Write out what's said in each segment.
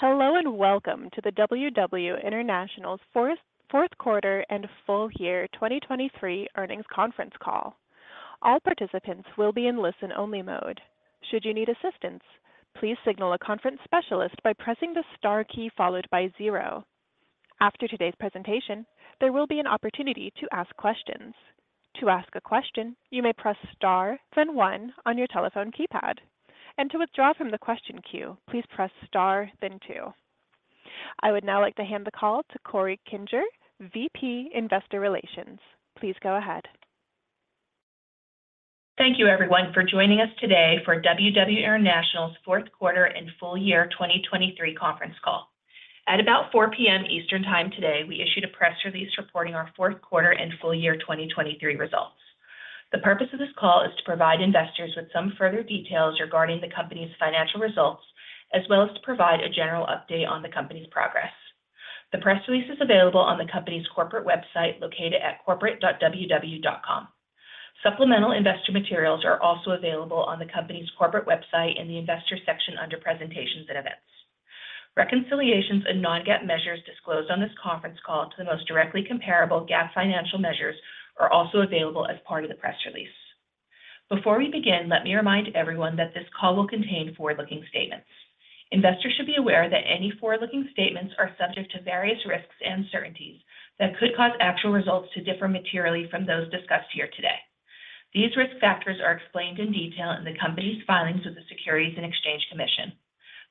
Hello and welcome to the WW International's fourth-quarter and full-year 2023 earnings conference call. All participants will be in listen-only mode. Should you need assistance, please signal a conference specialist by pressing the star key followed by zero. After today's presentation, there will be an opportunity to ask questions. To ask a question, you may press star, then one on your telephone keypad. To withdraw from the question queue, please press star, then two. I would now like to hand the call to Corey Kinger, VP Investor Relations. Please go ahead. Thank you, everyone, for joining us today for WW International's fourth-quarter and full-year 2023 conference call. At about 4:00 P.M. Eastern Time today, we issued a press release reporting our fourth-quarter and full-year 2023 results. The purpose of this call is to provide investors with some further details regarding the company's financial results, as well as to provide a general update on the company's progress. The press release is available on the company's corporate website located at corporate.ww.com. Supplemental investor materials are also available on the company's corporate website in the investor section under presentations and events. Reconciliations and non-GAAP measures disclosed on this conference call to the most directly comparable GAAP financial measures are also available as part of the press release. Before we begin, let me remind everyone that this call will contain forward-looking statements. Investors should be aware that any forward-looking statements are subject to various risks and certainties that could cause actual results to differ materially from those discussed here today. These risk factors are explained in detail in the company's filings with the Securities and Exchange Commission.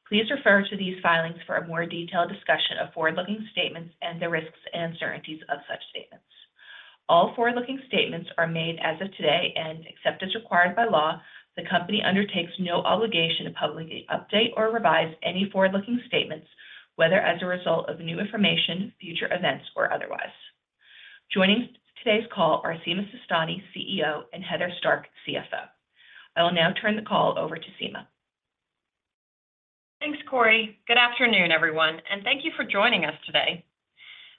Please refer to these filings for a more detailed discussion of forward-looking statements and the risks and certainties of such statements. All forward-looking statements are made as of today, and except as required by law, the company undertakes no obligation to publicly update or revise any forward-looking statements, whether as a result of new information, future events, or otherwise. Joining today's call are Sima Sistani, CEO, and Heather Stark, CFO. I will now turn the call over to Sima. Thanks, Corey. Good afternoon, everyone, and thank you for joining us today.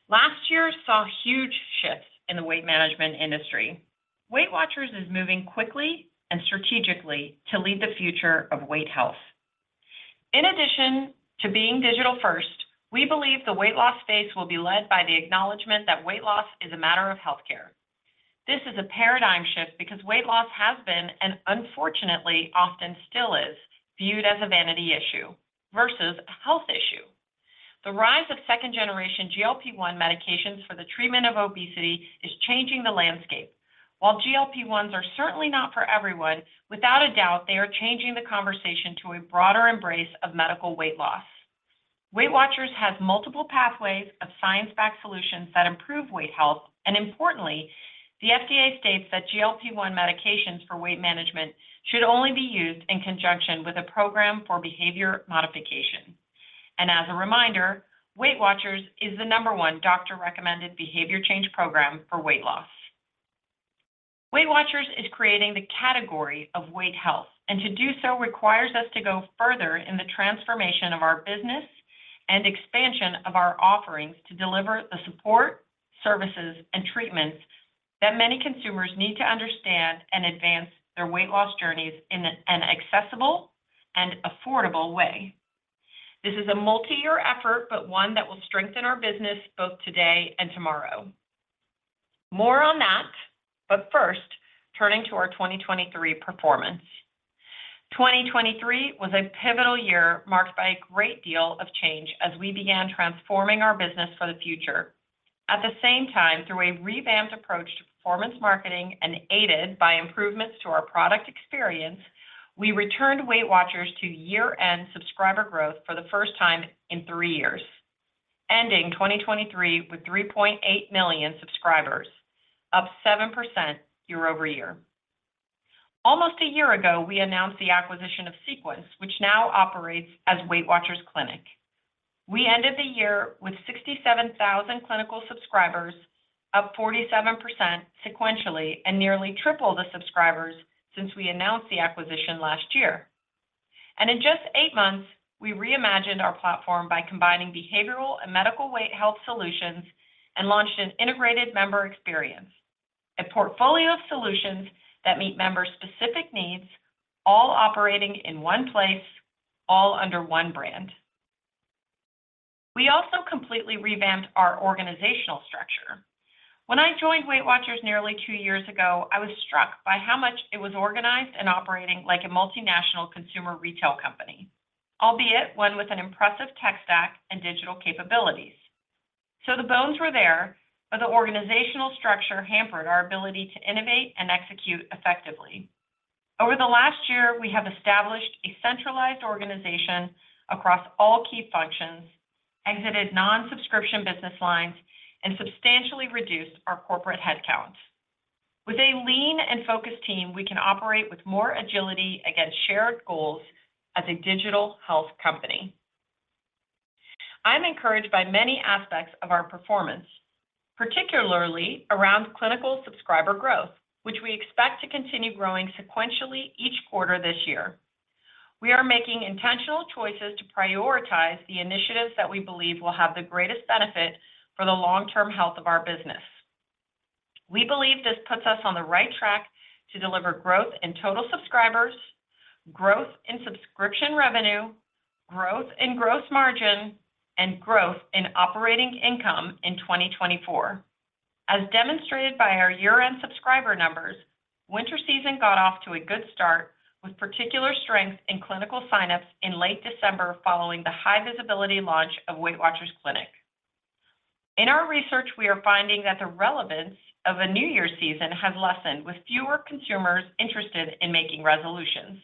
Last year saw huge shifts in the weight management industry. WeightWatchers is moving quickly and strategically to lead the future of weight health. In addition to being digital-first, we believe the weight loss space will be led by the acknowledgment that weight loss is a matter of healthcare. This is a paradigm shift because weight loss has been and unfortunately often still is viewed as a vanity issue versus a health issue. The rise of second-generation GLP-1 medications for the treatment of obesity is changing the landscape. While GLP-1s are certainly not for everyone, without a doubt they are changing the conversation to a broader embrace of medical weight loss. WeightWatchers has multiple pathways of science-backed solutions that improve weight health, and importantly, the FDA states that GLP-1 medications for weight management should only be used in conjunction with a program for behavior modification. As a reminder, WeightWatchers is the number one doctor-recommended behavior change program for weight loss. WeightWatchers is creating the category of weight health, and to do so requires us to go further in the transformation of our business and expansion of our offerings to deliver the support, services, and treatments that many consumers need to understand and advance their weight loss journeys in an accessible and affordable way. This is a multi-year effort, but one that will strengthen our business both today and tomorrow. More on that, but first, turning to our 2023 performance. 2023 was a pivotal year marked by a great deal of change as we began transforming our business for the future. At the same time, through a revamped approach to performance marketing and aided by improvements to our product experience, we returned WeightWatchers to year-end subscriber growth for the first time in three years, ending 2023 with 3.8 million subscribers, up 7% year-over-year. Almost a year ago, we announced the acquisition of Sequence, which now operates as WeightWatchers Clinic. We ended the year with 67,000 clinical subscribers, up 47% sequentially, and nearly tripled the subscribers since we announced the acquisition last year. In just eight months, we reimagined our platform by combining behavioral and medical weight health solutions and launched an integrated member experience, a portfolio of solutions that meet members' specific needs, all operating in one place, all under one brand. We also completely revamped our organizational structure. When I joined WeightWatchers nearly two years ago, I was struck by how much it was organized and operating like a multinational consumer retail company, albeit one with an impressive tech stack and digital capabilities. The bones were there, but the organizational structure hampered our ability to innovate and execute effectively. Over the last year, we have established a centralized organization across all key functions, exited non-subscription business lines, and substantially reduced our corporate headcount. With a lean and focused team, we can operate with more agility against shared goals as a digital health company. I'm encouraged by many aspects of our performance, particularly around clinical subscriber growth, which we expect to continue growing sequentially each quarter this year. We are making intentional choices to prioritize the initiatives that we believe will have the greatest benefit for the long-term health of our business. We believe this puts us on the right track to deliver growth in total subscribers, growth in subscription revenue, growth in gross margin, and growth in operating income in 2024. As demonstrated by our year-end subscriber numbers, winter season got off to a good start with particular strength in clinical signups in late December following the high-visibility launch of WeightWatchers Clinic. In our research, we are finding that the relevance of a New Year season has lessened, with fewer consumers interested in making resolutions.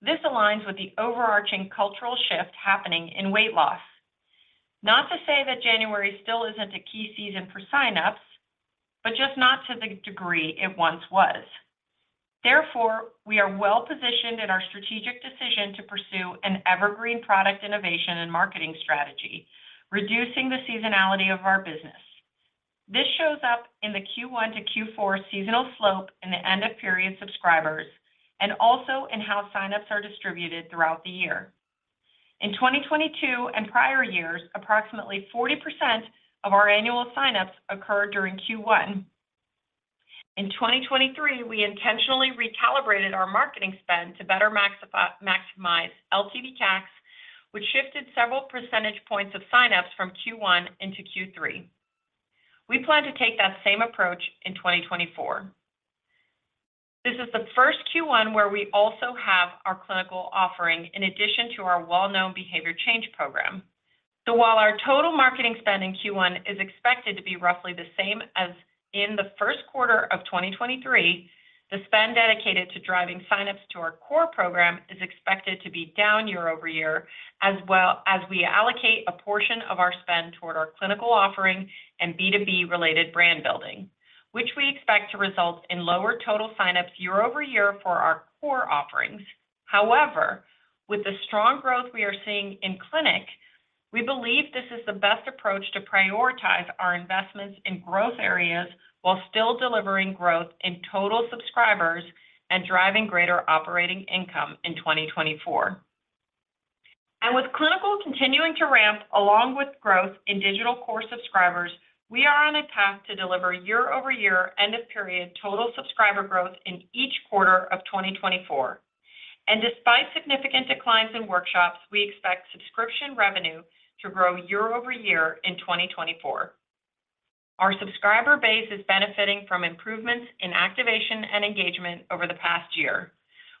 This aligns with the overarching cultural shift happening in weight loss, not to say that January still isn't a key season for signups, but just not to the degree it once was. Therefore, we are well-positioned in our strategic decision to pursue an evergreen product innovation and marketing strategy, reducing the seasonality of our business. This shows up in the Q1 to Q4 seasonal slope in the end-of-period subscribers and also in how signups are distributed throughout the year. In 2022 and prior years, approximately 40% of our annual signups occurred during Q1. In 2023, we intentionally recalibrated our marketing spend to better maximize LTV CACs, which shifted several percentage points of signups from Q1 into Q3. We plan to take that same approach in 2024. This is the first Q1 where we also have our clinical offering in addition to our well-known behavior change program. So while our total marketing spend in Q1 is expected to be roughly the same as in the first quarter of 2023, the spend dedicated to driving signups to our core program is expected to be down year-over-year, as well as we allocate a portion of our spend toward our clinical offering and B2B-related brand building, which we expect to result in lower total signups year-over-year for our core offerings. However, with the strong growth we are seeing in clinic, we believe this is the best approach to prioritize our investments in growth areas while still delivering growth in total subscribers and driving greater operating income in 2024. And with clinical continuing to ramp along with growth in digital core subscribers, we are on a path to deliver year-over-year end-of-period total subscriber growth in each quarter of 2024. Despite significant declines in workshops, we expect subscription revenue to grow year-over-year in 2024. Our subscriber base is benefiting from improvements in activation and engagement over the past year,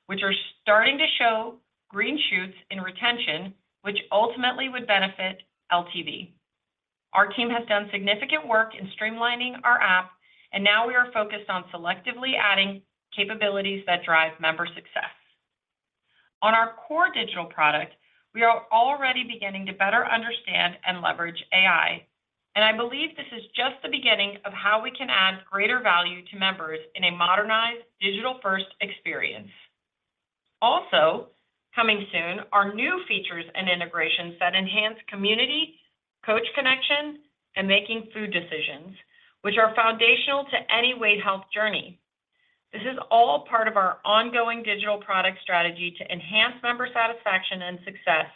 which are starting to show green shoots in retention, which ultimately would benefit LTV. Our team has done significant work in streamlining our app, and now we are focused on selectively adding capabilities that drive member success. On our core digital product, we are already beginning to better understand and leverage AI, and I believe this is just the beginning of how we can add greater value to members in a modernized, digital-first experience. Also, coming soon, are new features and integrations that enhance community, coach connection, and making food decisions, which are foundational to any weight health journey. This is all part of our ongoing digital product strategy to enhance member satisfaction and success,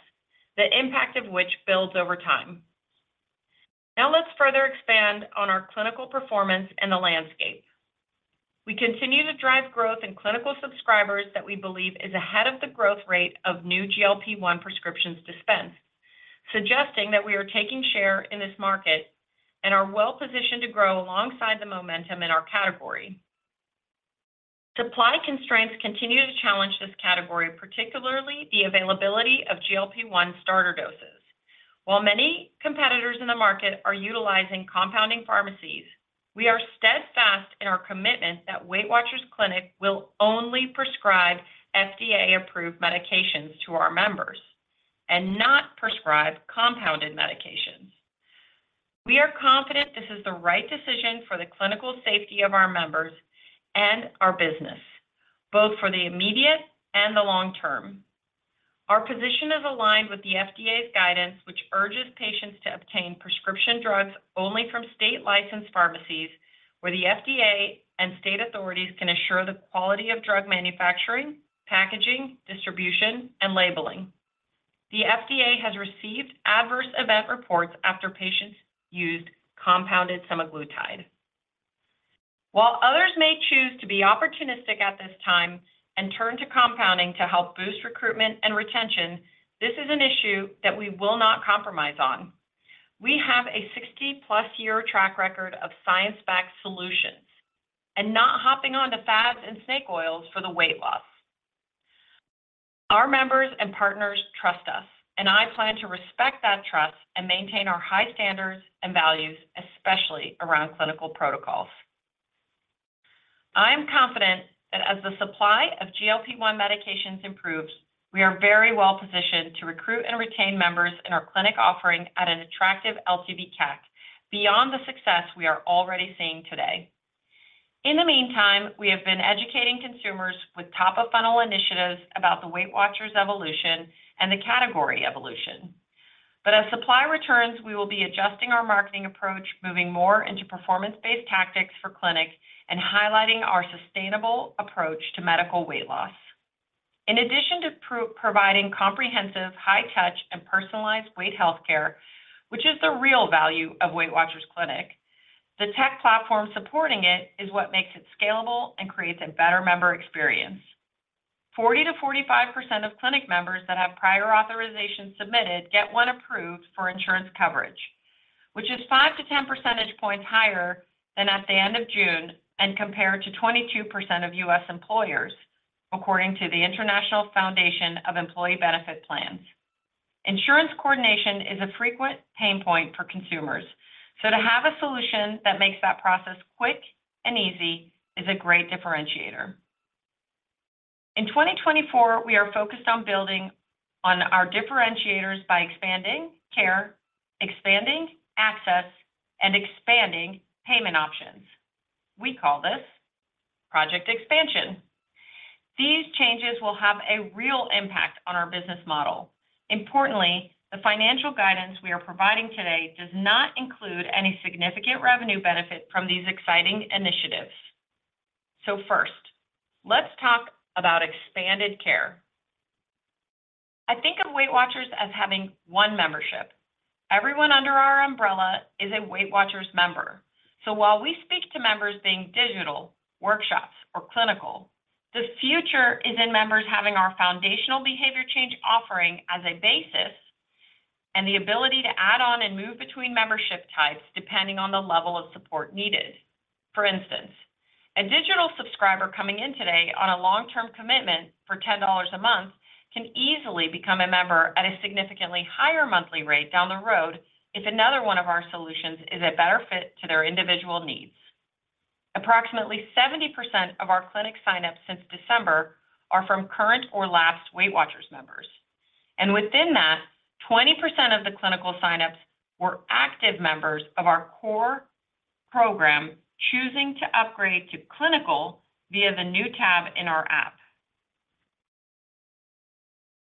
the impact of which builds over time. Now let's further expand on our clinical performance and the landscape. We continue to drive growth in clinical subscribers that we believe is ahead of the growth rate of new GLP-1 prescriptions dispensed, suggesting that we are taking share in this market and are well-positioned to grow alongside the momentum in our category. Supply constraints continue to challenge this category, particularly the availability of GLP-1 starter doses. While many competitors in the market are utilizing compounding pharmacies, we are steadfast in our commitment that WeightWatchers Clinic will only prescribe FDA-approved medications to our members and not prescribe compounded medications. We are confident this is the right decision for the clinical safety of our members and our business, both for the immediate and the long term. Our position is aligned with the FDA's guidance, which urges patients to obtain prescription drugs only from state-licensed pharmacies, where the FDA and state authorities can assure the quality of drug manufacturing, packaging, distribution, and labeling. The FDA has received adverse event reports after patients used compounded semaglutide. While others may choose to be opportunistic at this time and turn to compounding to help boost recruitment and retention, this is an issue that we will not compromise on. We have a 60+-year track record of science-backed solutions and not hopping onto fads and snake oils for the weight loss. Our members and partners trust us, and I plan to respect that trust and maintain our high standards and values, especially around clinical protocols. I am confident that as the supply of GLP-1 medications improves, we are very well-positioned to recruit and retain members in our clinic offering at an attractive LTV CAC beyond the success we are already seeing today. In the meantime, we have been educating consumers with top-of-funnel initiatives about the WeightWatchers evolution and the category evolution. But as supply returns, we will be adjusting our marketing approach, moving more into performance-based tactics for clinic, and highlighting our sustainable approach to medical weight loss. In addition to providing comprehensive, high-touch, and personalized weight healthcare, which is the real value of WeightWatchers Clinic, the tech platform supporting it is what makes it scalable and creates a better member experience. 40%-45% of clinic members that have prior authorizations submitted get one approved for insurance coverage, which is 5-10 percentage points higher than at the end of June and compared to 22% of U.S. employers, according to the International Foundation of Employee Benefit Plans. Insurance coordination is a frequent pain point for consumers, so to have a solution that makes that process quick and easy is a great differentiator. In 2024, we are focused on building on our differentiators by expanding care, expanding access, and expanding payment options. We call this project expansion. These changes will have a real impact on our business model. Importantly, the financial guidance we are providing today does not include any significant revenue benefit from these exciting initiatives. So first, let's talk about expanded care. I think of WeightWatchers as having one membership. Everyone under our umbrella is a WeightWatchers member. So while we speak to members being digital, workshops, or clinical, the future is in members having our foundational behavior change offering as a basis and the ability to add on and move between membership types depending on the level of support needed. For instance, a digital subscriber coming in today on a long-term commitment for $10 a month can easily become a member at a significantly higher monthly rate down the road if another one of our solutions is a better fit to their individual needs. Approximately 70% of our clinic signups since December are from current or last WeightWatchers members. And within that, 20% of the clinical signups were active members of our core program choosing to upgrade to clinical via the new tab in our app.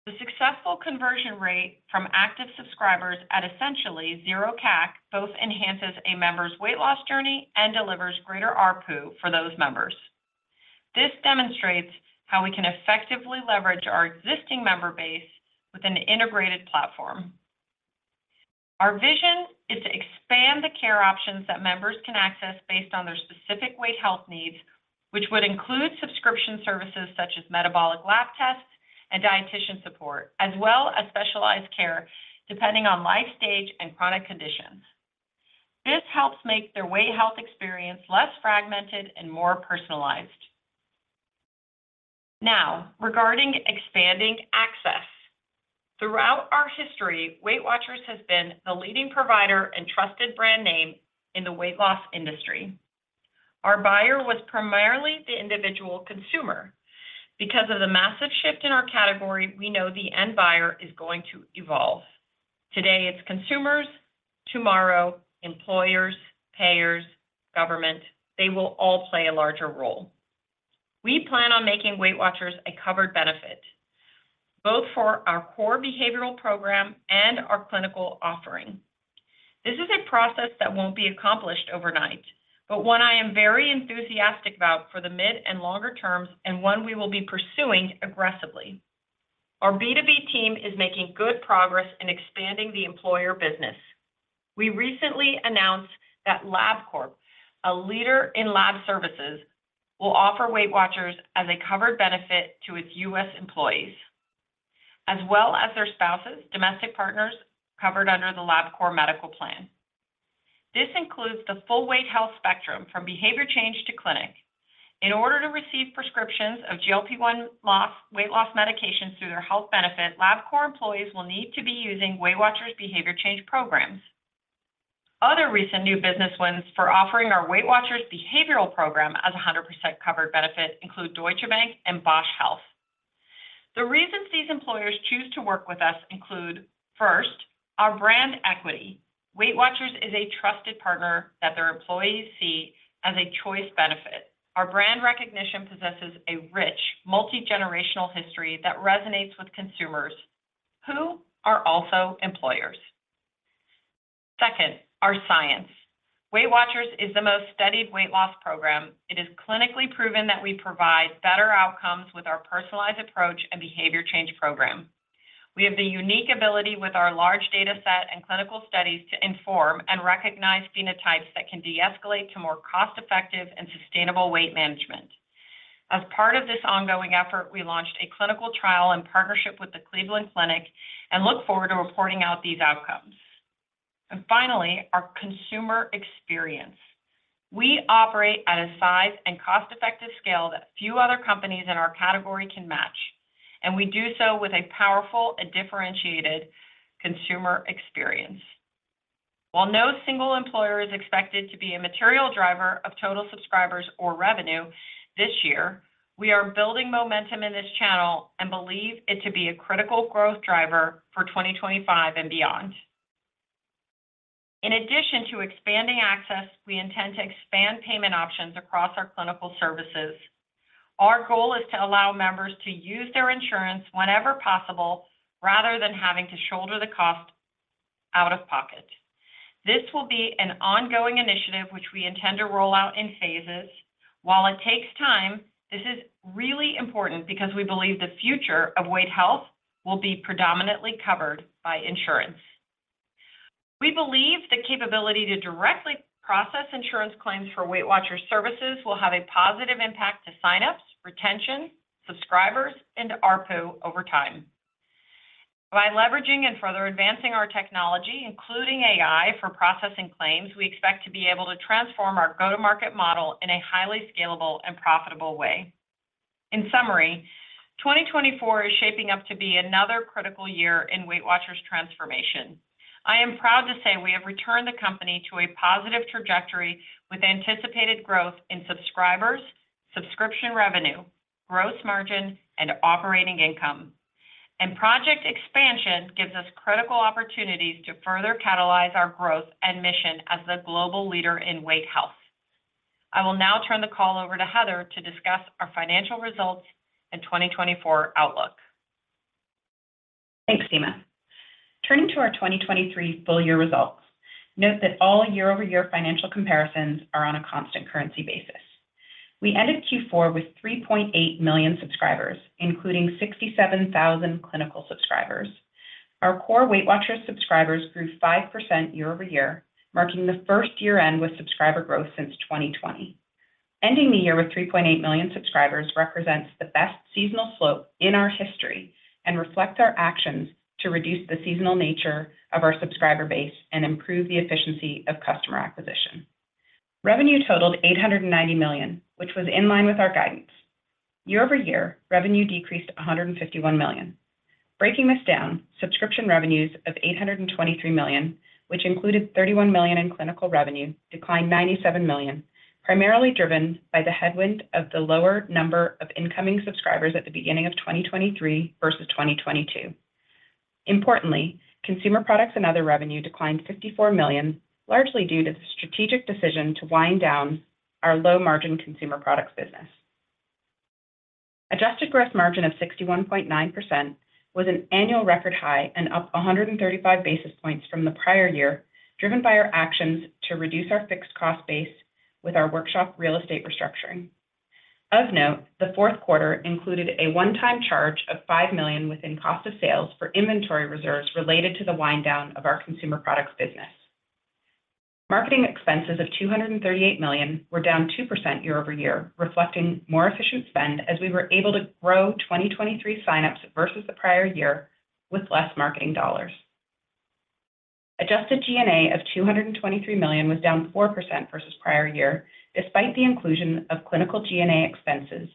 The successful conversion rate from active subscribers at essentially zero CAC both enhances a member's weight loss journey and delivers greater RPU for those members. This demonstrates how we can effectively leverage our existing member base with an integrated platform. Our vision is to expand the care options that members can access based on their specific weight health needs, which would include subscription services such as metabolic lab tests and dietitian support, as well as specialized care depending on life stage and chronic conditions. This helps make their weight health experience less fragmented and more personalized. Now, regarding expanding access, throughout our history, WeightWatchers has been the leading provider and trusted brand name in the weight loss industry. Our buyer was primarily the individual consumer. Because of the massive shift in our category, we know the end buyer is going to evolve. Today, it's consumers. Tomorrow, employers, payers, government, they will all play a larger role. We plan on making WeightWatchers a covered benefit, both for our core behavioral program and our clinical offering. This is a process that won't be accomplished overnight, but one I am very enthusiastic about for the mid and longer terms and one we will be pursuing aggressively. Our B2B team is making good progress in expanding the employer business. We recently announced that Labcorp, a leader in lab services, will offer WeightWatchers as a covered benefit to its U.S. employees, as well as their spouses, domestic partners covered under the Labcorp medical plan. This includes the full weight health spectrum from behavior change to clinic. In order to receive prescriptions of GLP-1 weight loss medications through their health benefit, Labcorp employees will need to be using WeightWatchers' behavior change programs. Other recent new business wins for offering our WeightWatchers' behavioral program as a 100% covered benefit include Deutsche Bank and Bausch Health. The reasons these employers choose to work with us include, first, our brand equity. WeightWatchers is a trusted partner that their employees see as a choice benefit. Our brand recognition possesses a rich, multi-generational history that resonates with consumers who are also employers. Second, our science. WeightWatchers is the most studied weight loss program. It is clinically proven that we provide better outcomes with our personalized approach and behavior change program. We have the unique ability with our large dataset and clinical studies to inform and recognize phenotypes that can de-escalate to more cost-effective and sustainable weight management. As part of this ongoing effort, we launched a clinical trial in partnership with the Cleveland Clinic and look forward to reporting out these outcomes. Finally, our consumer experience. We operate at a size and cost-effective scale that few other companies in our category can match, and we do so with a powerful, differentiated consumer experience. While no single employer is expected to be a material driver of total subscribers or revenue this year, we are building momentum in this channel and believe it to be a critical growth driver for 2025 and beyond. In addition to expanding access, we intend to expand payment options across our clinical services. Our goal is to allow members to use their insurance whenever possible rather than having to shoulder the cost out of pocket. This will be an ongoing initiative, which we intend to roll out in phases. While it takes time, this is really important because we believe the future of weight health will be predominantly covered by insurance. We believe the capability to directly process insurance claims for WeightWatchers services will have a positive impact to signups, retention, subscribers, and RPU over time. By leveraging and further advancing our technology, including AI for processing claims, we expect to be able to transform our go-to-market model in a highly scalable and profitable way. In summary, 2024 is shaping up to be another critical year in WeightWatchers' transformation. I am proud to say we have returned the company to a positive trajectory with anticipated growth in subscribers, subscription revenue, gross margin, and operating income. And project expansion gives us critical opportunities to further catalyze our growth and mission as the global leader in weight health. I will now turn the call over to Heather to discuss our financial results and 2024 outlook. Thanks, Sima. Turning to our 2023 full-year results, note that all year-over-year financial comparisons are on a constant currency basis. We ended Q4 with 3.8 million subscribers, including 67,000 clinical subscribers. Our core WeightWatchers subscribers grew 5% year-over-year, marking the first year-end with subscriber growth since 2020. Ending the year with 3.8 million subscribers represents the best seasonal slope in our history and reflects our actions to reduce the seasonal nature of our subscriber base and improve the efficiency of customer acquisition. Revenue totaled $890 million, which was in line with our guidance. Year-over-year, revenue decreased $151 million. Breaking this down, subscription revenues of $823 million, which included $31 million in clinical revenue, declined $97 million, primarily driven by the headwind of the lower number of incoming subscribers at the beginning of 2023 versus 2022. Importantly, consumer products and other revenue declined $54 million, largely due to the strategic decision to wind down our low-margin consumer products business. Adjusted gross margin of 61.9% was an annual record high and up 135 basis points from the prior year, driven by our actions to reduce our fixed cost base with our workshop real estate restructuring. Of note, the fourth quarter included a one-time charge of $5 million within cost of sales for inventory reserves related to the winddown of our consumer products business. Marketing expenses of $238 million were down 2% year-over-year, reflecting more efficient spend as we were able to grow 2023 signups versus the prior year with less marketing dollars. Adjusted G&A of $223 million was down 4% versus prior year, despite the inclusion of clinical G&A expenses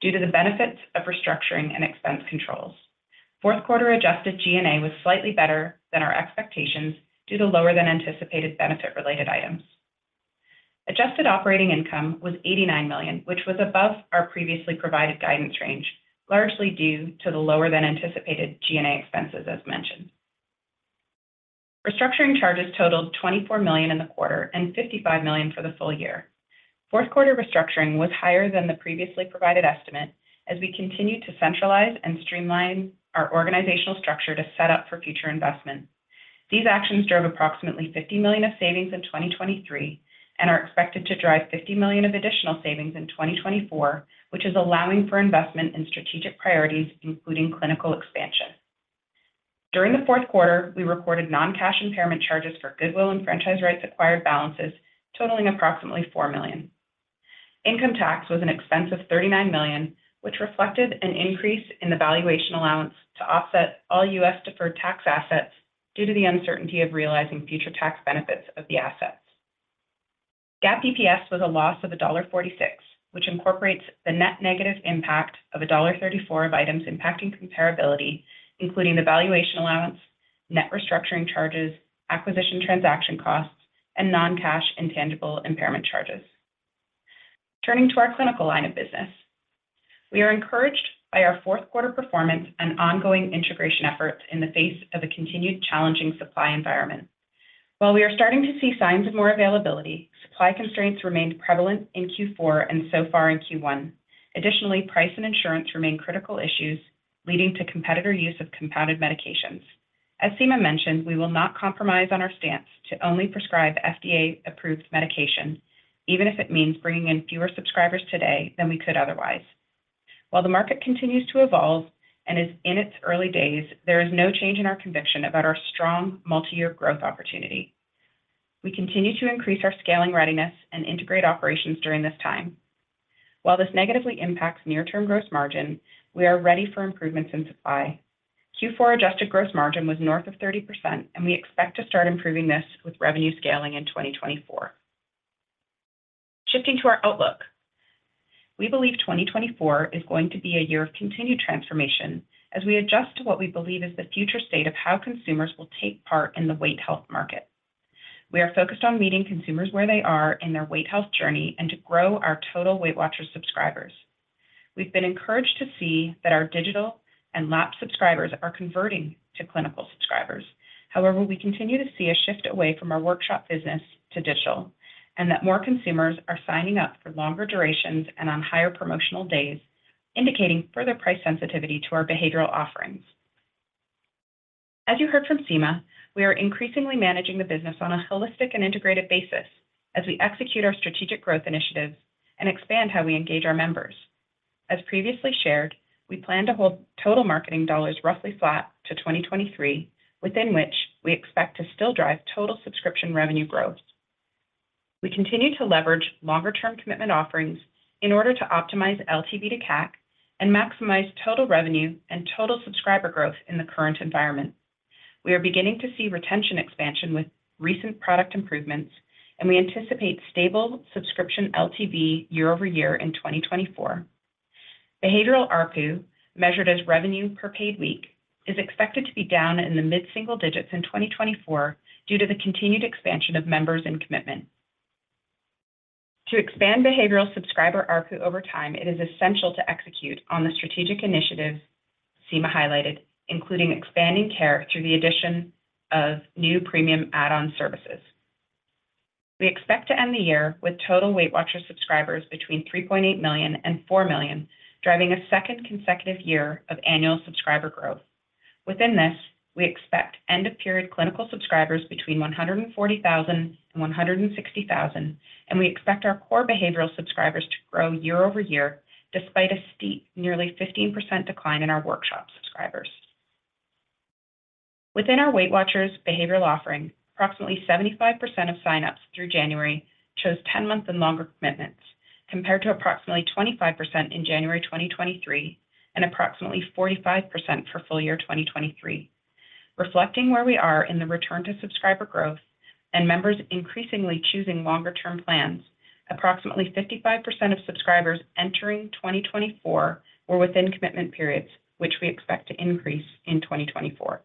due to the benefits of restructuring and expense controls. Fourth-quarter adjusted G&A was slightly better than our expectations due to lower-than-anticipated benefit-related items. Adjusted operating income was $89 million, which was above our previously provided guidance range, largely due to the lower-than-anticipated G&A expenses, as mentioned. Restructuring charges totaled $24 million in the quarter and $55 million for the full year. Fourth-quarter restructuring was higher than the previously provided estimate as we continued to centralize and streamline our organizational structure to set up for future investment. These actions drove approximately $50 million of savings in 2023 and are expected to drive $50 million of additional savings in 2024, which is allowing for investment in strategic priorities, including clinical expansion. During the fourth quarter, we recorded non-cash impairment charges for goodwill and franchise rights acquired balances, totaling approximately $4 million. Income tax was an expense of $39 million, which reflected an increase in the valuation allowance to offset all U.S. deferred tax assets due to the uncertainty of realizing future tax benefits of the assets. GAAP EPS was a loss of $1.46, which incorporates the net negative impact of $1.34 of items impacting comparability, including the valuation allowance, net restructuring charges, acquisition transaction costs, and non-cash intangible impairment charges. Turning to our clinical line of business, we are encouraged by our fourth-quarter performance and ongoing integration efforts in the face of a continued challenging supply environment. While we are starting to see signs of more availability, supply constraints remained prevalent in Q4 and so far in Q1. Additionally, price and insurance remain critical issues, leading to competitor use of compounded medications. As Sima mentioned, we will not compromise on our stance to only prescribe FDA-approved medication, even if it means bringing in fewer subscribers today than we could otherwise. While the market continues to evolve and is in its early days, there is no change in our conviction about our strong multi-year growth opportunity. We continue to increase our scaling readiness and integrate operations during this time. While this negatively impacts near-term gross margin, we are ready for improvements in supply. Q4 adjusted gross margin was north of 30%, and we expect to start improving this with revenue scaling in 2024. Shifting to our outlook, we believe 2024 is going to be a year of continued transformation as we adjust to what we believe is the future state of how consumers will take part in the weight health market. We are focused on meeting consumers where they are in their weight health journey and to grow our total WeightWatchers subscribers. We've been encouraged to see that our digital and lab subscribers are converting to clinical subscribers. However, we continue to see a shift away from our workshop business to digital and that more consumers are signing up for longer durations and on higher promotional days, indicating further price sensitivity to our behavioral offerings. As you heard from Sima, we are increasingly managing the business on a holistic and integrated basis as we execute our strategic growth initiatives and expand how we engage our members. As previously shared, we plan to hold total marketing dollars roughly flat to 2023, within which we expect to still drive total subscription revenue growth. We continue to leverage longer-term commitment offerings in order to optimize LTV to CAC and maximize total revenue and total subscriber growth in the current environment. We are beginning to see retention expansion with recent product improvements, and we anticipate stable subscription LTV year-over-year in 2024. Behavioral RPU, measured as revenue per paid week, is expected to be down in the mid-single digits in 2024 due to the continued expansion of members and commitment. To expand behavioral subscriber RPU over time, it is essential to execute on the strategic initiatives Sima highlighted, including expanding care through the addition of new premium add-on services. We expect to end the year with total WeightWatchers subscribers between 3.8 million and 4 million, driving a second consecutive year of annual subscriber growth. Within this, we expect end-of-period clinical subscribers between 140,000 and 160,000, and we expect our core behavioral subscribers to grow year-over-year despite a steep, nearly 15% decline in our workshop subscribers. Within our WeightWatchers' behavioral offering, approximately 75% of signups through January chose 10-month and longer commitments, compared to approximately 25% in January 2023 and approximately 45% for full year 2023. Reflecting where we are in the return to subscriber growth and members increasingly choosing longer-term plans, approximately 55% of subscribers entering 2024 were within commitment periods, which we expect to increase in 2024.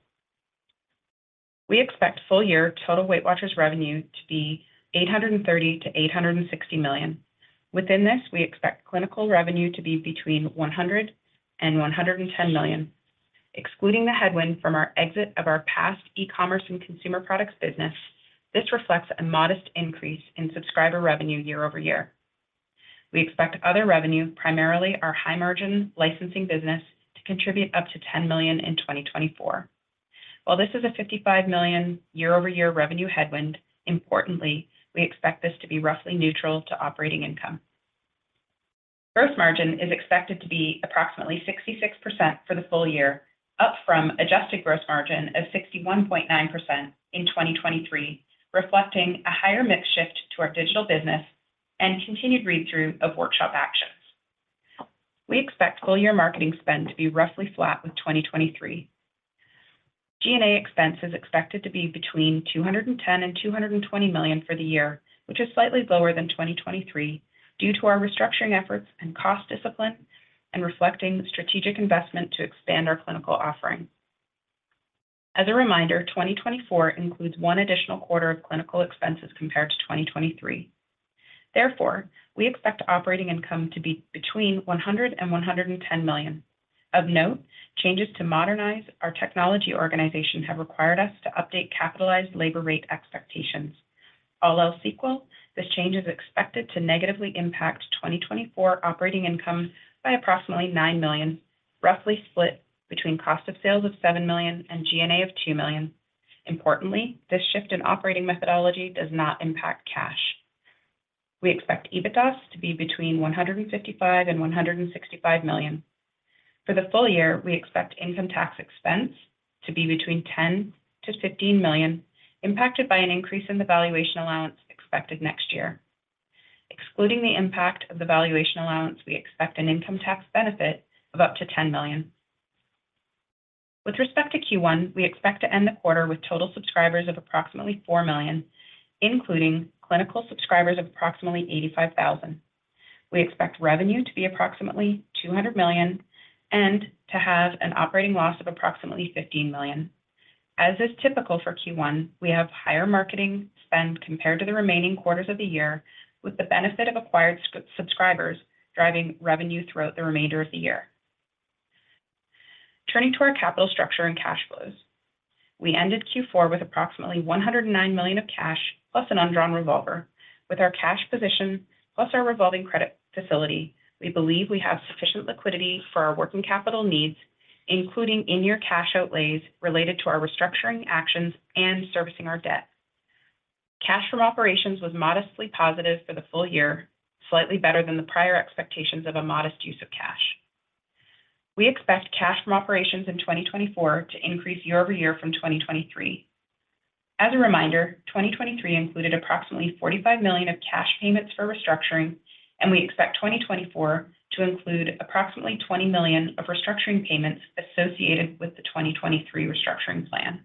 We expect full-year total WeightWatchers revenue to be $830 million-$860 million. Within this, we expect clinical revenue to be between $100 million and $110 million. Excluding the headwind from our exit of our past e-commerce and consumer products business, this reflects a modest increase in subscriber revenue year-over-year. We expect other revenue, primarily our high-margin licensing business, to contribute up to $10 million in 2024. While this is a $55 million year-over-year revenue headwind, importantly, we expect this to be roughly neutral to operating income. Gross margin is expected to be approximately 66% for the full year, up from adjusted gross margin of 61.9% in 2023, reflecting a higher mix shift to our digital business and continued read-through of workshop actions. We expect full-year marketing spend to be roughly flat with 2023. G&A expense is expected to be between $210 million-$220 million for the year, which is slightly lower than 2023 due to our restructuring efforts and cost discipline and reflecting strategic investment to expand our clinical offering. As a reminder, 2024 includes one additional quarter of clinical expenses compared to 2023. Therefore, we expect operating income to be between $100 million-$110 million. Of note, changes to modernize our technology organization have required us to update capitalized labor rate expectations. All else equal, this change is expected to negatively impact 2024 operating income by approximately $9 million, roughly split between cost of sales of $7 million and G&A of $2 million. Importantly, this shift in operating methodology does not impact cash. We expect EBITDA to be between $155 million and $165 million. For the full year, we expect income tax expense to be between $10 million-$15 million, impacted by an increase in the valuation allowance expected next year. Excluding the impact of the valuation allowance, we expect an income tax benefit of up to $10 million. With respect to Q1, we expect to end the quarter with total subscribers of approximately 4 million, including clinical subscribers of approximately 85,000. We expect revenue to be approximately $200 million and to have an operating loss of approximately $15 million. As is typical for Q1, we have higher marketing spend compared to the remaining quarters of the year, with the benefit of acquired subscribers driving revenue throughout the remainder of the year. Turning to our capital structure and cash flows, we ended Q4 with approximately $109 million of cash plus an undrawn revolver. With our cash position plus our revolving credit facility, we believe we have sufficient liquidity for our working capital needs, including in-year cash outlays related to our restructuring actions and servicing our debt. Cash from operations was modestly positive for the full year, slightly better than the prior expectations of a modest use of cash. We expect cash from operations in 2024 to increase year-over-year from 2023. As a reminder, 2023 included approximately $45 million of cash payments for restructuring, and we expect 2024 to include approximately $20 million of restructuring payments associated with the 2023 restructuring plan.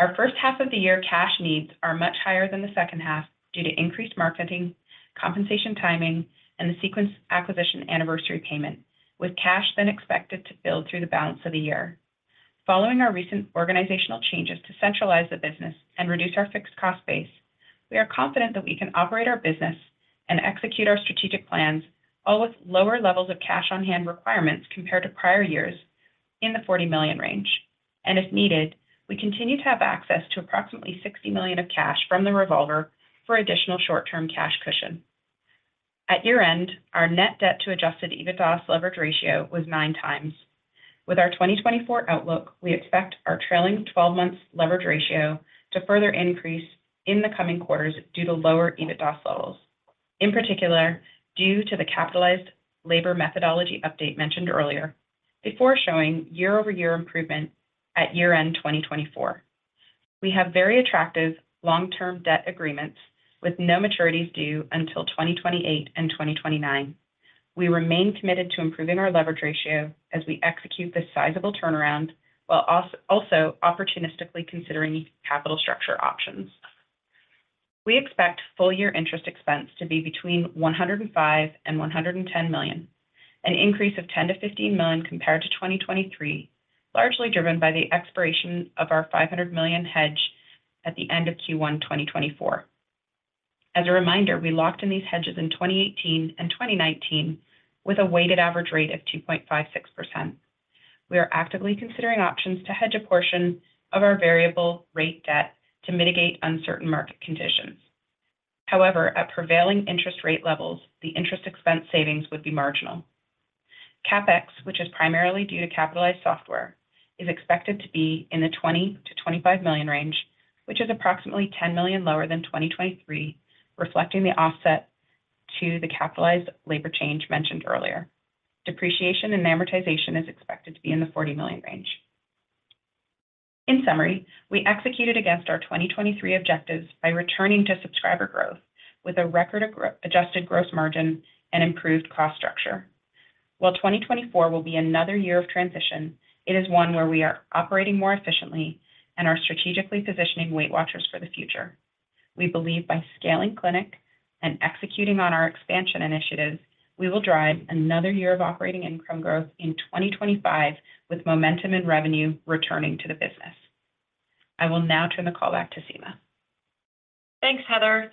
Our first half of the year cash needs are much higher than the second half due to increased marketing, compensation timing, and the sequence acquisition anniversary payment, with cash then expected to build through the balance of the year. Following our recent organizational changes to centralize the business and reduce our fixed cost base, we are confident that we can operate our business and execute our strategic plans, all with lower levels of cash on hand requirements compared to prior years in the $40 million range. If needed, we continue to have access to approximately $60 million of cash from the revolver for additional short-term cash cushion. At year-end, our net debt to adjusted EBITDA's leverage ratio was 9x. With our 2024 outlook, we expect our trailing 12-month leverage ratio to further increase in the coming quarters due to lower EBITDA levels, in particular due to the capitalized labor methodology update mentioned earlier, before showing year-over-year improvement at year-end 2024. We have very attractive long-term debt agreements with no maturities due until 2028 and 2029. We remain committed to improving our leverage ratio as we execute this sizable turnaround while also opportunistically considering capital structure options. We expect full-year interest expense to be between $105 million and $110 million, an increase of $10 million to $15 million compared to 2023, largely driven by the expiration of our $500 million hedge at the end of Q1 2024. As a reminder, we locked in these hedges in 2018 and 2019 with a weighted average rate of 2.56%. We are actively considering options to hedge a portion of our variable rate debt to mitigate uncertain market conditions. However, at prevailing interest rate levels, the interest expense savings would be marginal. CapEx, which is primarily due to capitalized software, is expected to be in the $20 million-$25 million range, which is approximately $10 million lower than 2023, reflecting the offset to the capitalized labor change mentioned earlier. Depreciation and amortization is expected to be in the $40 million range. In summary, we executed against our 2023 objectives by returning to subscriber growth with a record adjusted gross margin and improved cost structure. While 2024 will be another year of transition, it is one where we are operating more efficiently and are strategically positioning WeightWatchers for the future. We believe by scaling clinic and executing on our expansion initiatives, we will drive another year of operating income growth in 2025 with momentum and revenue returning to the business. I will now turn the call back to Sima. Thanks, Heather.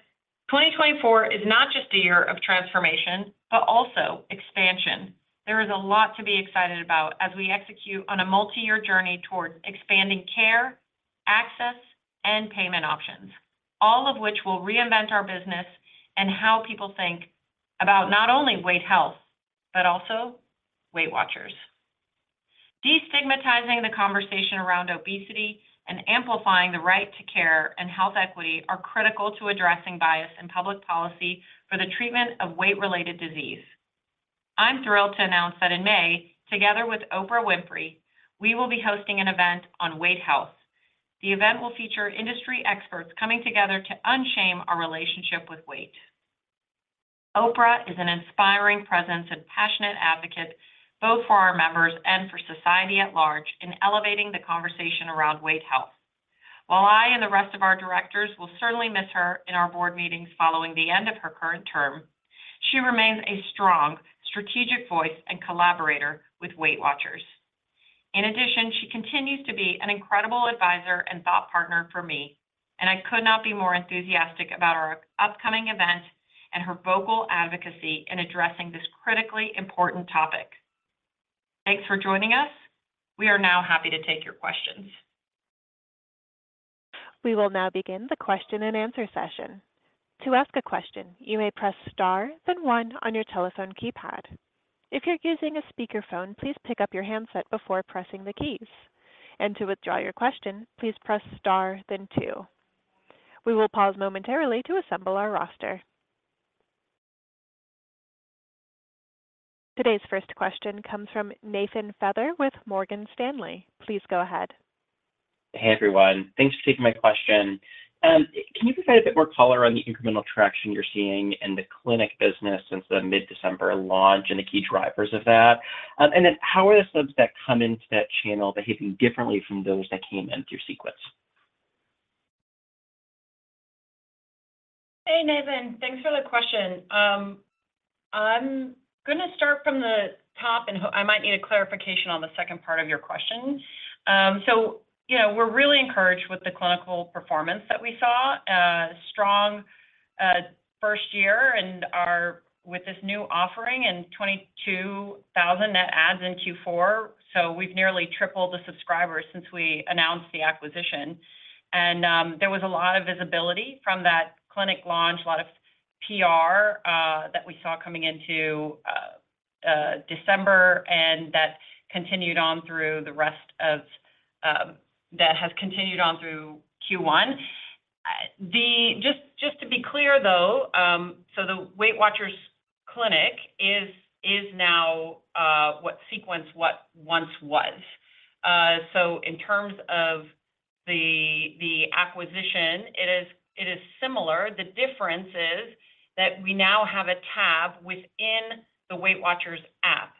2024 is not just a year of transformation but also expansion. There is a lot to be excited about as we execute on a multi-year journey towards expanding care, access, and payment options, all of which will reinvent our business and how people think about not only weight health but also WeightWatchers. Destigmatizing the conversation around obesity and amplifying the right to care and health equity are critical to addressing bias in public policy for the treatment of weight-related disease. I'm thrilled to announce that in May, together with Oprah Winfrey, we will be hosting an event on weight health. The event will feature industry experts coming together to unshame our relationship with weight. Oprah is an inspiring presence and passionate advocate, both for our members and for society at large, in elevating the conversation around weight health. While I and the rest of our directors will certainly miss her in our board meetings following the end of her current term, she remains a strong strategic voice and collaborator with WeightWatchers. In addition, she continues to be an incredible advisor and thought partner for me, and I could not be more enthusiastic about our upcoming event and her vocal advocacy in addressing this critically important topic. Thanks for joining us. We are now happy to take your questions. We will now begin the question and answer session. To ask a question, you may press star, then one on your telephone keypad. If you're using a speakerphone, please pick up your handset before pressing the keys. To withdraw your question, please press star, then two. We will pause momentarily to assemble our roster. Today's first question comes from Nathan Feather with Morgan Stanley. Please go ahead. Hey, everyone. Thanks for taking my question. Can you provide a bit more color on the incremental traction you're seeing in the clinic business since the mid-December launch and the key drivers of that? And then how are the subs that come into that channel behaving differently from those that came in through Sequence? Hey, Nathan. Thanks for the question. I'm going to start from the top, and I might need a clarification on the second part of your question. So we're really encouraged with the clinical performance that we saw, strong first year, and with this new offering and 22,000 net adds in Q4. So we've nearly tripled the subscribers since we announced the acquisition. And there was a lot of visibility from that clinic launch, a lot of PR that we saw coming into December, and that has continued on through Q1. Just to be clear, though, so the WeightWatchers Clinic is now what Sequence once was. So in terms of the acquisition, it is similar. The difference is that we now have a tab within the WeightWatchers app,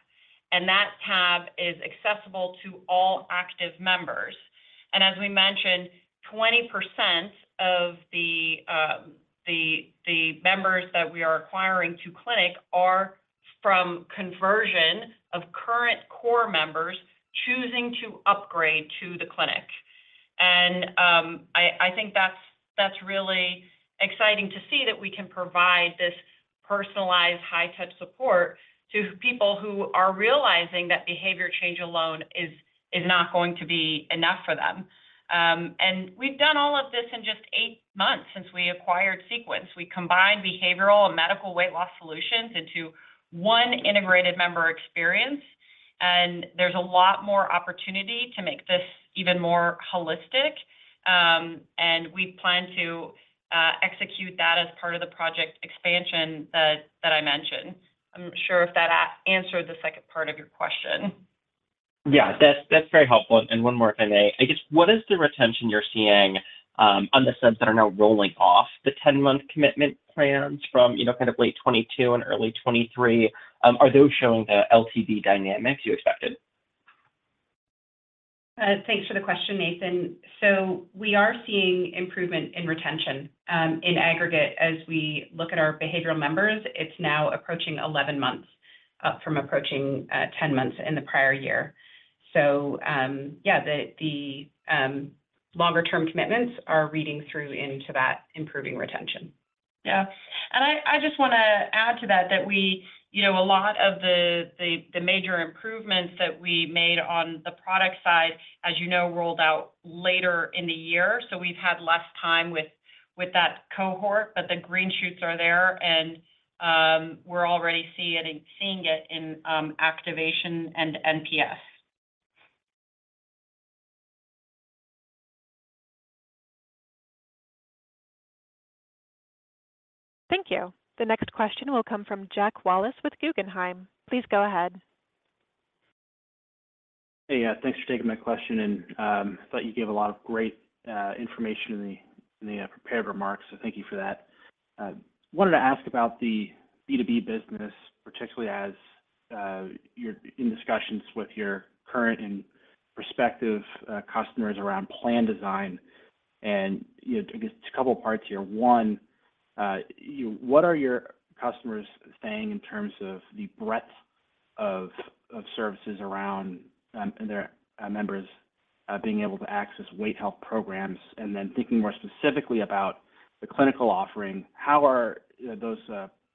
and that tab is accessible to all active members. As we mentioned, 20% of the members that we are acquiring to clinic are from conversion of current core members choosing to upgrade to the clinic. I think that's really exciting to see that we can provide this personalized, high-touch support to people who are realizing that behavior change alone is not going to be enough for them. We've done all of this in just eight months since we acquired Sequence. We combined behavioral and medical weight loss solutions into one integrated member experience. There's a lot more opportunity to make this even more holistic. We plan to execute that as part of the project expansion that I mentioned. I'm not sure if that answered the second part of your question. Yeah, that's very helpful. One more, if I may. I guess, what is the retention you're seeing on the subs that are now rolling off the 10-month commitment plans from kind of late 2022 and early 2023? Are those showing the LTV dynamics you expected? Thanks for the question, Nathan. So we are seeing improvement in retention in aggregate. As we look at our behavioral members, it's now approaching 11 months from approaching 10 months in the prior year. So yeah, the longer-term commitments are reading through into that improving retention. Yeah. I just want to add to that that a lot of the major improvements that we made on the product side, as you know, rolled out later in the year. We've had less time with that cohort, but the green shoots are there, and we're already seeing it in activation and NPS. Thank you. The next question will come from Jack Wallace with Guggenheim. Please go ahead. Hey, yeah. Thanks for taking my question. I thought you gave a lot of great information in the prepared remarks, so thank you for that. I wanted to ask about the B2B business, particularly as you're in discussions with your current and prospective customers around plan design. I guess there's a couple of parts here. One, what are your customers saying in terms of the breadth of services around their members being able to access weight health programs? Then thinking more specifically about the clinical offering, how are those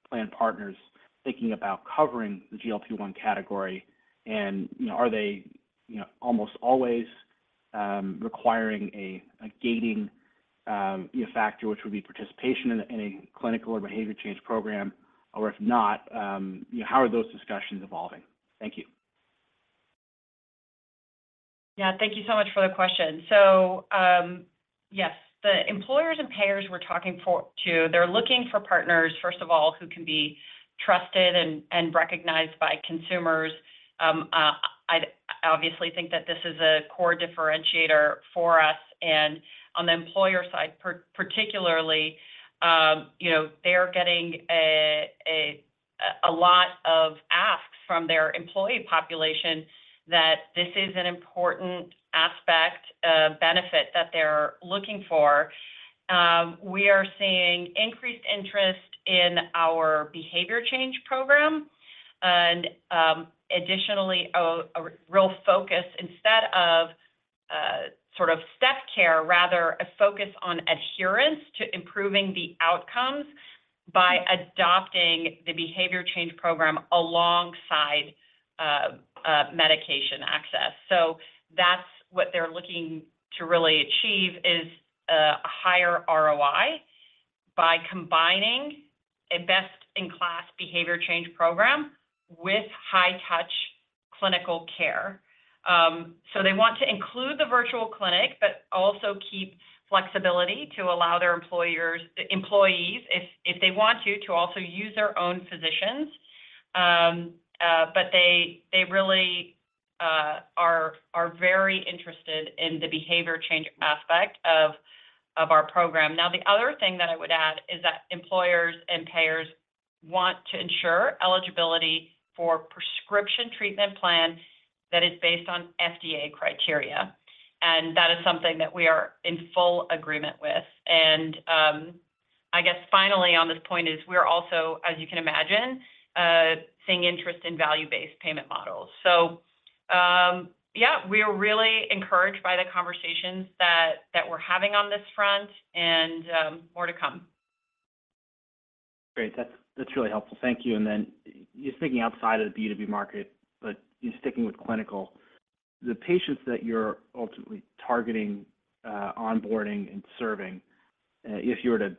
plan partners thinking about covering the GLP-1 category? Are they almost always requiring a gating factor, which would be participation in a clinical or behavior change program? Or if not, how are those discussions evolving? Thank you. Yeah, thank you so much for the question. So yes, the employers and payers we're talking to, they're looking for partners, first of all, who can be trusted and recognized by consumers. I obviously think that this is a core differentiator for us. And on the employer side, particularly, they are getting a lot of asks from their employee population that this is an important aspect, a benefit that they're looking for. We are seeing increased interest in our behavior change program and additionally a real focus instead of sort of step care, rather a focus on adherence to improving the outcomes by adopting the behavior change program alongside medication access. So that's what they're looking to really achieve, is a higher ROI by combining a best-in-class behavior change program with high-touch clinical care. So they want to include the virtual clinic but also keep flexibility to allow their employees, if they want to, to also use their own physicians. But they really are very interested in the behavior change aspect of our program. Now, the other thing that I would add is that employers and payers want to ensure eligibility for prescription treatment plan that is based on FDA criteria. And that is something that we are in full agreement with. And I guess finally on this point is we're also, as you can imagine, seeing interest in value-based payment models. So yeah, we're really encouraged by the conversations that we're having on this front, and more to come. Great. That's really helpful. Thank you. Then just thinking outside of the B2B market, but sticking with clinical, the patients that you're ultimately targeting, onboarding, and serving, if you were to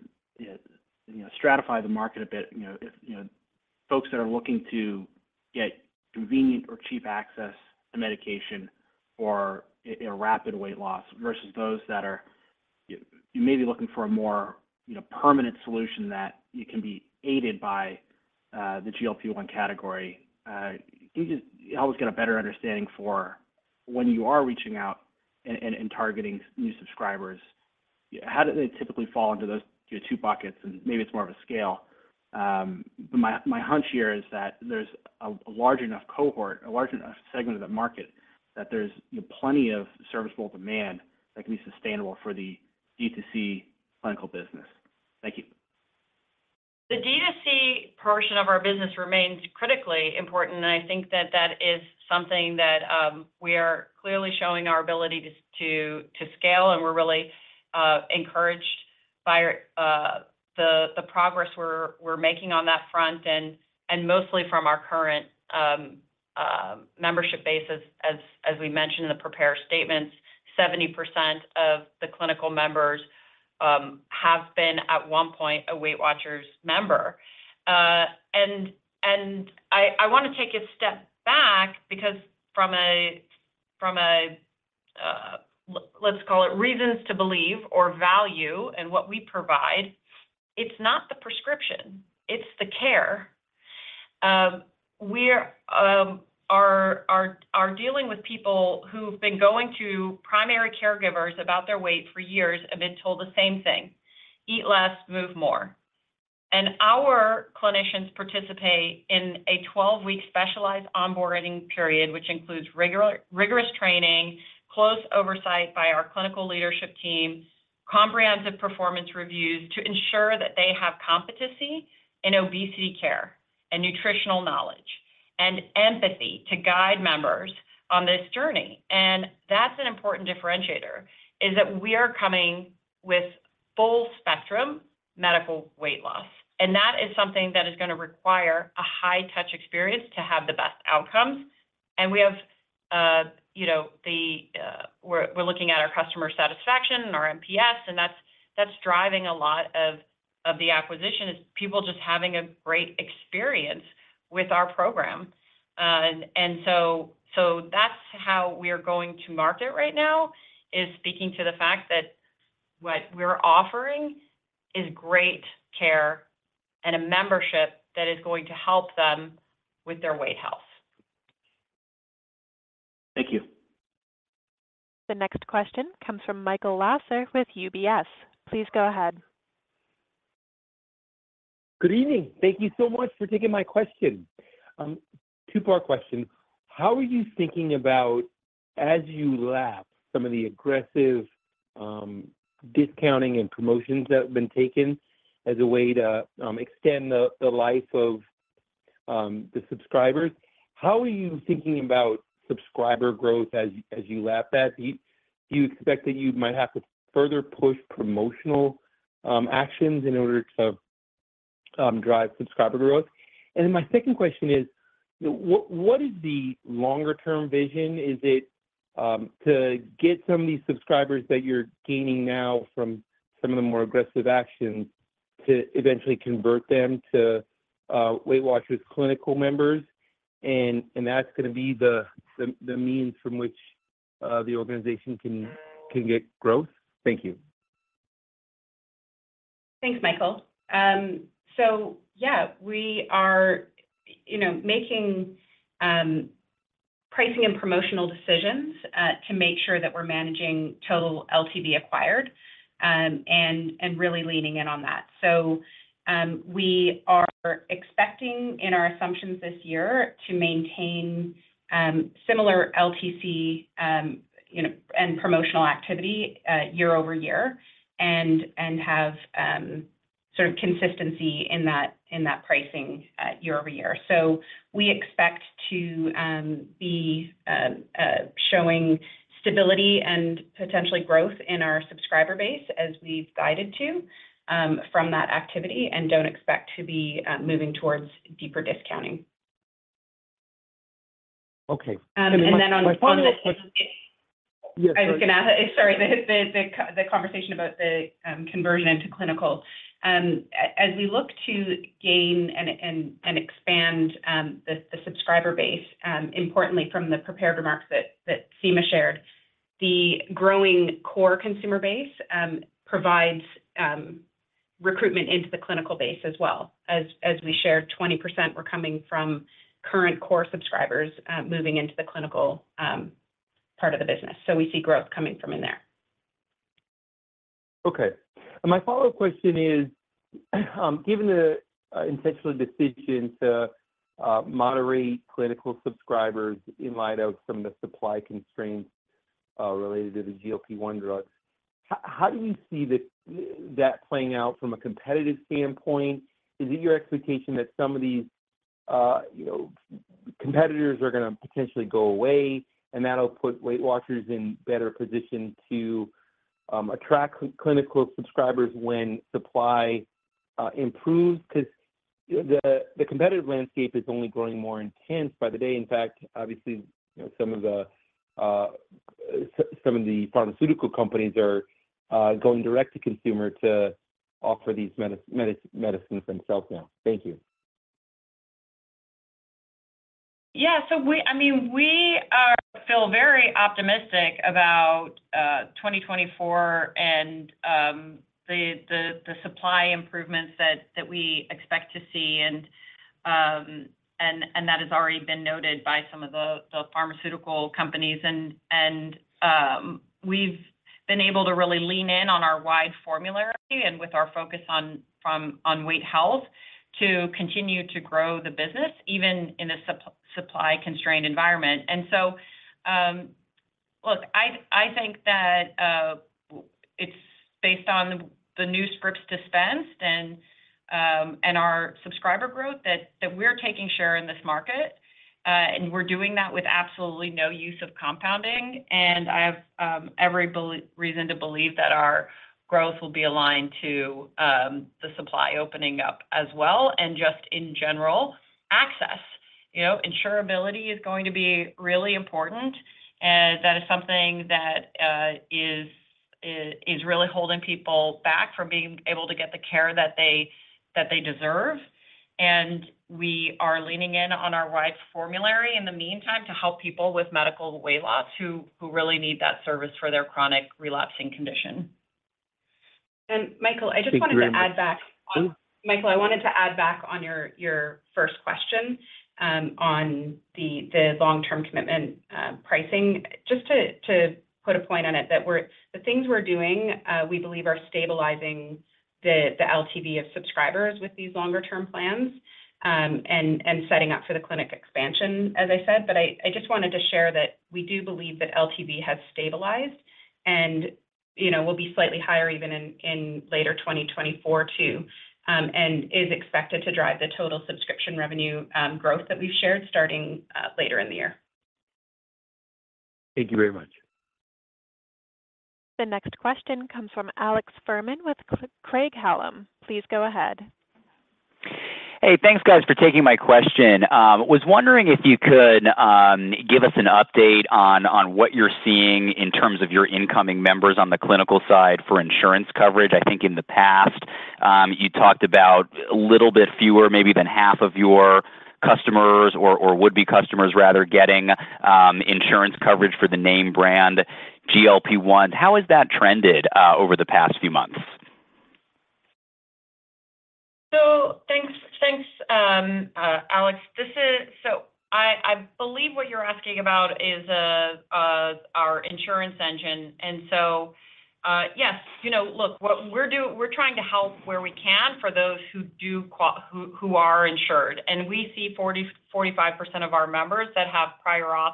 stratify the market a bit, if folks that are looking to get convenient or cheap access to medication for rapid weight loss versus those that are maybe looking for a more permanent solution that can be aided by the GLP-1 category, can you just help us get a better understanding for when you are reaching out and targeting new subscribers, how do they typically fall into those two buckets? And maybe it's more of a scale. But my hunch here is that there's a large enough cohort, a large enough segment of that market, that there's plenty of serviceable demand that can be sustainable for the D2C clinical business. Thank you. The D2C portion of our business remains critically important, and I think that that is something that we are clearly showing our ability to scale. We're really encouraged by the progress we're making on that front, and mostly from our current membership base. As we mentioned in the prepared statements, 70% of the clinical members have been at one point a WeightWatchers member. I want to take a step back because from a, let's call it, reasons to believe or value in what we provide, it's not the prescription. It's the care. We are dealing with people who've been going to primary caregivers about their weight for years and been told the same thing: eat less, move more. Our clinicians participate in a 12-week specialized onboarding period, which includes rigorous training, close oversight by our clinical leadership team, comprehensive performance reviews to ensure that they have competency in obesity care and nutritional knowledge, and empathy to guide members on this journey. That's an important differentiator, that we are coming with full-spectrum medical weight loss. That is something that is going to require a high-touch experience to have the best outcomes. We have, we're looking at our customer satisfaction and our NPS, and that's driving a lot of the acquisition, people just having a great experience with our program. So that's how we are going to market right now, speaking to the fact that what we're offering is great care and a membership that is going to help them with their weight health. Thank you. The next question comes from Michael Lasser with UBS. Please go ahead. Good evening. Thank you so much for taking my question. Two-part question. How are you thinking about, as you lap, some of the aggressive discounting and promotions that have been taken as a way to extend the life of the subscribers? How are you thinking about subscriber growth as you lap that? Do you expect that you might have to further push promotional actions in order to drive subscriber growth? And then my second question is, what is the longer-term vision? Is it to get some of these subscribers that you're gaining now from some of the more aggressive actions to eventually convert them to WeightWatchers clinical members? And that's going to be the means from which the organization can get growth? Thank you. Thanks, Michael. So yeah, we are making pricing and promotional decisions to make sure that we're managing total LTV acquired and really leaning in on that. So we are expecting, in our assumptions this year, to maintain similar LTC and promotional activity year-over-year and have sort of consistency in that pricing year-over-year. So we expect to be showing stability and potentially growth in our subscriber base as we've guided to from that activity and don't expect to be moving towards deeper discounting. Okay. And then on one of the. Yes, go ahead. Sorry, the conversation about the conversion into clinical. As we look to gain and expand the subscriber base, importantly from the prepared remarks that Sima shared, the growing core consumer base provides recruitment into the clinical base as well. As we shared, 20% were coming from current core subscribers moving into the clinical part of the business. So we see growth coming from in there. Okay. And my follow-up question is, given the intentional decision to moderate clinical subscribers in light of some of the supply constraints related to the GLP-1 drugs, how do you see that playing out from a competitive standpoint? Is it your expectation that some of these competitors are going to potentially go away, and that'll put WeightWatchers in better position to attract clinical subscribers when supply improves? Because the competitive landscape is only growing more intense by the day. In fact, obviously, some of the pharmaceutical companies are going direct to consumer to offer these medicines themselves now. Thank you. Yeah. So I mean, we are still very optimistic about 2024 and the supply improvements that we expect to see. And that has already been noted by some of the pharmaceutical companies. And we've been able to really lean in on our wide formulary and with our focus on weight health to continue to grow the business even in a supply-constrained environment. And so look, I think that it's based on the new scripts dispensed and our subscriber growth that we're taking share in this market. And we're doing that with absolutely no use of compounding. And I have every reason to believe that our growth will be aligned to the supply opening up as well. And just in general, access, insurability is going to be really important. That is something that is really holding people back from being able to get the care that they deserve. We are leaning in on our wide formulary in the meantime to help people with medical weight loss who really need that service for their chronic relapsing condition. Michael, I wanted to add back on your first question on the long-term commitment pricing, just to put a point on it, that the things we're doing, we believe are stabilizing the LTV of subscribers with these longer-term plans and setting up for the clinic expansion, as I said. But I just wanted to share that we do believe that LTV has stabilized and will be slightly higher even in later 2024 too and is expected to drive the total subscription revenue growth that we've shared starting later in the year. Thank you very much. The next question comes from Alex Fuhrman with Craig-Hallum. Please go ahead. Hey, thanks, guys, for taking my question. I was wondering if you could give us an update on what you're seeing in terms of your incoming members on the clinical side for insurance coverage. I think in the past, you talked about a little bit fewer, maybe than half of your customers or would-be customers, rather, getting insurance coverage for the name brand GLP-1. How has that trended over the past few months? So thanks, Alex. So I believe what you're asking about is our insurance engine. And so yes, look, what we're trying to help where we can for those who are insured. And we see 45% of our members that have prior auths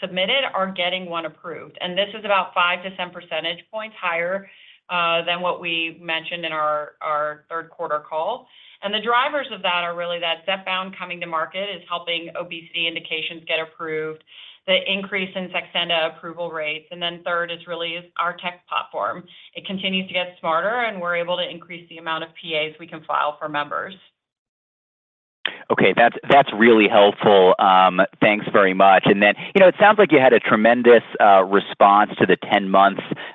submitted are getting one approved. And this is about 5-10 percentage points higher than what we mentioned in our third-quarter call. And the drivers of that are really that Zepbound coming to market is helping obesity indications get approved, the increase in Saxenda approval rates. And then third is really our tech platform. It continues to get smarter, and we're able to increase the amount of PAs we can file for members. Okay. That's really helpful. Thanks very much. And then it sounds like you had a tremendous response to the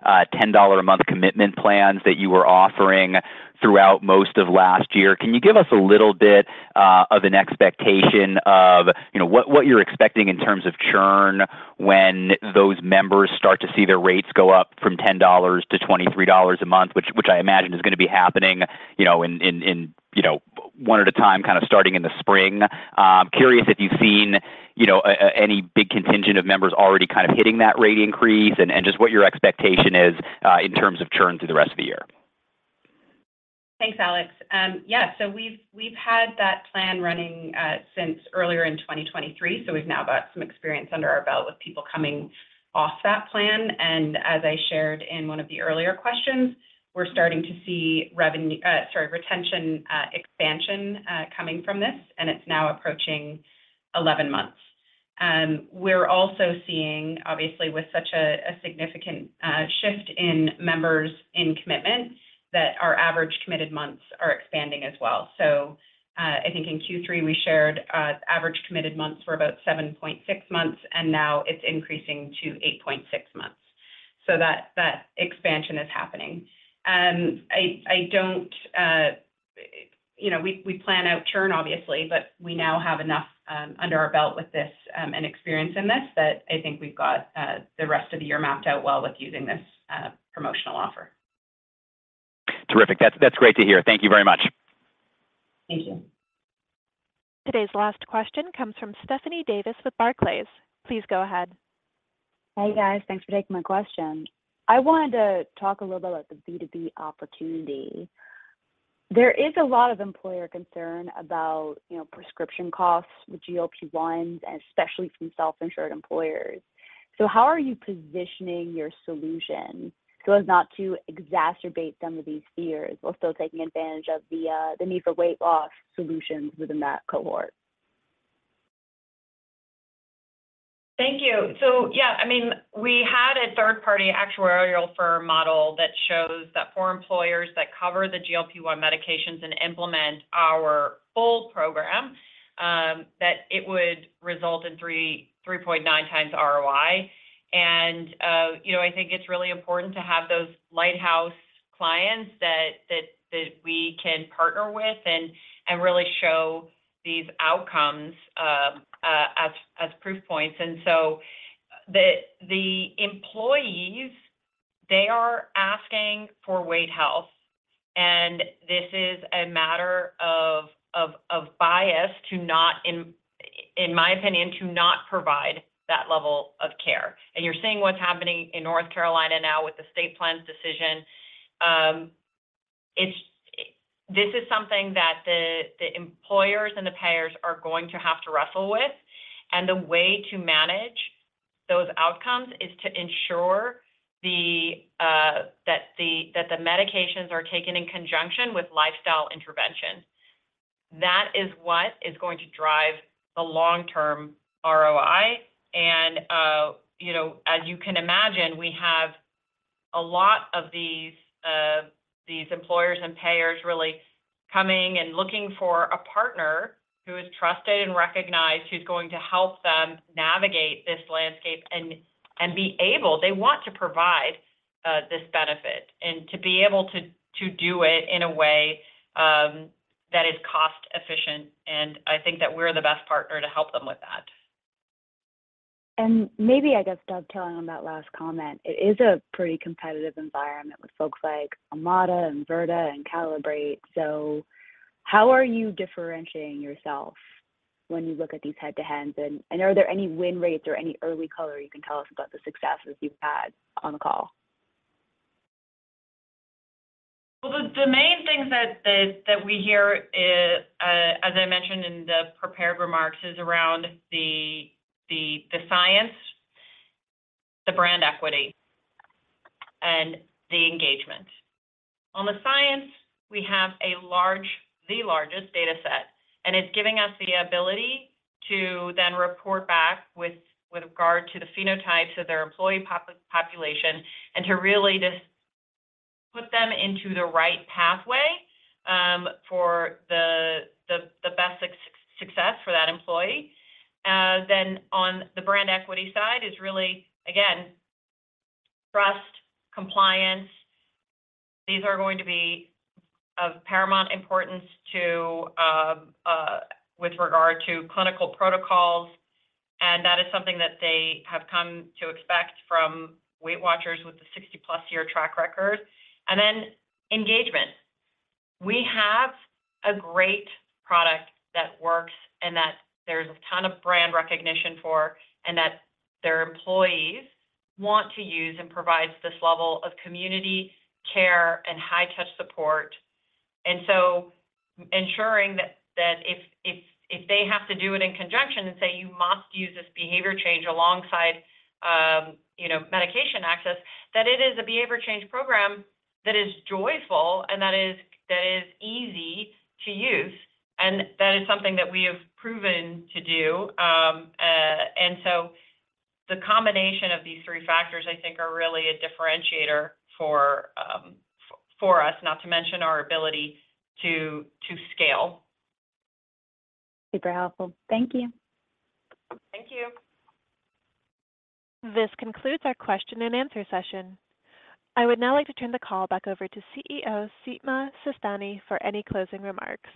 10-month, $10-a-month commitment plans that you were offering throughout most of last year. Can you give us a little bit of an expectation of what you're expecting in terms of churn when those members start to see their rates go up from $10-$23 a month, which I imagine is going to be happening one at a time, kind of starting in the spring? Curious if you've seen any big contingent of members already kind of hitting that rate increase and just what your expectation is in terms of churn through the rest of the year? Thanks, Alex. Yeah. So we've had that plan running since earlier in 2023. So we've now got some experience under our belt with people coming off that plan. And as I shared in one of the earlier questions, we're starting to see revenue, sorry, retention expansion coming from this, and it's now approaching 11 months. We're also seeing, obviously, with such a significant shift in members in commitment, that our average committed months are expanding as well. So I think in Q3, we shared average committed months were about 7.6 months, and now it's increasing to 8.6 months. So that expansion is happening. I don't—we plan out churn, obviously, but we now have enough under our belt with this and experience in this that I think we've got the rest of the year mapped out well with using this promotional offer. Terrific. That's great to hear. Thank you very much. Thank you. Today's last question comes from Stephanie Davis with Barclays. Please go ahead. Hey, guys. Thanks for taking my question. I wanted to talk a little bit about the B2B opportunity. There is a lot of employer concern about prescription costs with GLP-1s, especially from self-insured employers. So how are you positioning your solution so as not to exacerbate some of these fears while still taking advantage of the need for weight loss solutions within that cohort? Thank you. So yeah, I mean, we had a third-party actuarial firm model that shows that for employers that cover the GLP-1 medications and implement our full program, that it would result in 3.9x ROI. And I think it's really important to have those lighthouse clients that we can partner with and really show these outcomes as proof points. And so the employees, they are asking for weight health, and this is a matter of bias to not—in my opinion—to not provide that level of care. And you're seeing what's happening in North Carolina now with the state plan's decision. This is something that the employers and the payers are going to have to wrestle with. And the way to manage those outcomes is to ensure that the medications are taken in conjunction with lifestyle intervention. That is what is going to drive the long-term ROI. As you can imagine, we have a lot of these employers and payers really coming and looking for a partner who is trusted and recognized, who's going to help them navigate this landscape and be able—they want to provide this benefit—and to be able to do it in a way that is cost-efficient. And I think that we're the best partner to help them with that. Maybe, I guess, dovetailing on that last comment, it is a pretty competitive environment with folks like Omada and Virta and Calibrate. How are you differentiating yourself when you look at these head-to-heads? Are there any win rates or any early color you can tell us about the successes you've had on the call? Well, the main things that we hear, as I mentioned in the prepared remarks, is around the science, the brand equity, and the engagement. On the science, we have the largest dataset, and it's giving us the ability to then report back with regard to the phenotypes of their employee population and to really just put them into the right pathway for the best success for that employee. Then on the brand equity side is really, again, trust, compliance. These are going to be of paramount importance with regard to clinical protocols. And that is something that they have come to expect from WeightWatchers with the 60+ year track record. And then engagement. We have a great product that works and that there's a ton of brand recognition for and that their employees want to use and provides this level of community care and high-touch support. Ensuring that if they have to do it in conjunction and say, "You must use this behavior change alongside medication access," that it is a behavior change program that is joyful and that is easy to use, and that is something that we have proven to do. The combination of these three factors, I think, are really a differentiator for us, not to mention our ability to scale. Super helpful. Thank you. Thank you. This concludes our question-and-answer session. I would now like to turn the call back over to CEO Sima Sistani for any closing remarks.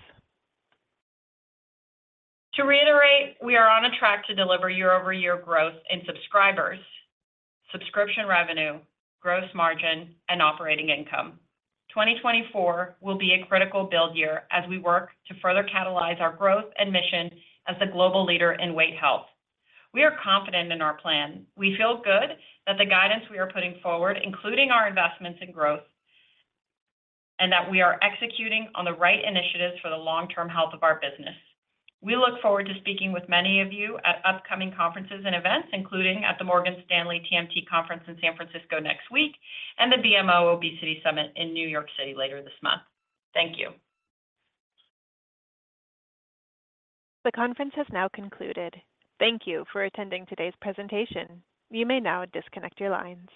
To reiterate, we are on a track to deliver year-over-year growth in subscribers, subscription revenue, gross margin, and operating income. 2024 will be a critical build year as we work to further catalyze our growth and mission as the global leader in weight health. We are confident in our plan. We feel good that the guidance we are putting forward, including our investments in growth, and that we are executing on the right initiatives for the long-term health of our business. We look forward to speaking with many of you at upcoming conferences and events, including at the Morgan Stanley TMT Conference in San Francisco next week and the BMO Obesity Summit in New York City later this month. Thank you. The conference has now concluded. Thank you for attending today's presentation. You may now disconnect your lines.